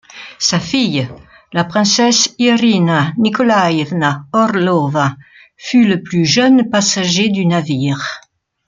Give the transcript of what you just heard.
Sa fille, la princesse Irina Nicolaïevna Orlova fut le plus jeune passager du navire.